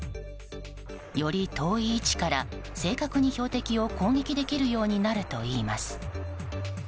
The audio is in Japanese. より遠い位置から正確に標的を攻撃できるようになるといいます。